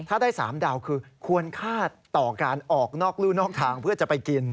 ถ้าได้๓ดาวคือควรคาดต่อการออกนอกรู่นอกทางเพื่อจะไปกิน